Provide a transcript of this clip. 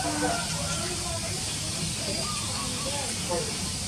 பழங்காலக் கோயில்களைக் காண்க!